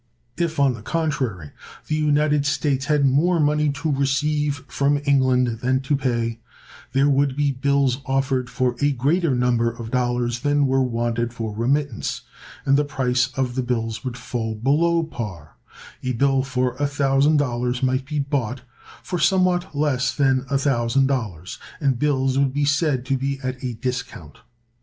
If, on the contrary, the United States had more money to receive from England than to pay, there would be bills offered for a greater number of dollars than were wanted for remittance, and the price of bills would fall below par: a bill for $1,000 might be bought for somewhat less than $1,000, and bills would be said to be at a discount.